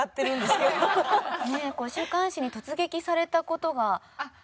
週刊誌に突撃された事がある？